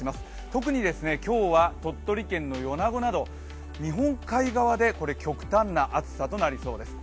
特に今日は鳥取県の米子など日本海側で極端な暑さとなりそうです。